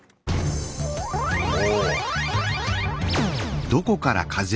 お！